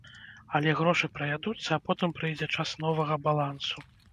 Але грошы праядуцца, а потым прыйдзе час новага балансу.